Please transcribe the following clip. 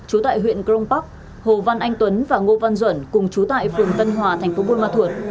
trú tại huyện crong park hồ văn anh tuấn và ngô văn duẩn cùng chú tại phường tân hòa thành phố buôn ma thuột